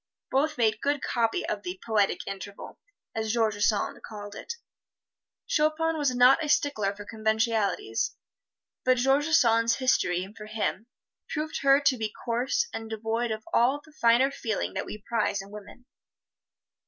Both made good copy of the "poetic interval," as George Sand called it. Chopin was not a stickler for conventionalities, but George Sand's history, for him, proved her to be coarse and devoid of all the finer feeling that we prize in women.